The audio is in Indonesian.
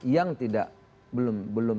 yang tidak belum